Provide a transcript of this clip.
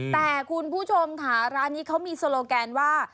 แต่คุณผู้ชมค่ะร้านนี้เขามีโซโลแกนว่า